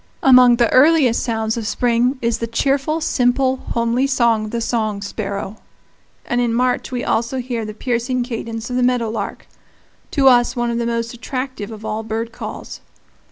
Among the earliest sounds of spring is the cheerful, simple, homely song of the song sparrow; and in March we also hear the piercing cadence of the meadow lark to us one of the most attractive of all bird calls.